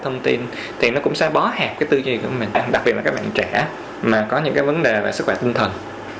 thông tin thì nó cũng sẽ bó hẹp cái tư duy của mình đặc biệt là các bạn trẻ mà có những cái vấn đề về sức khỏe tinh thần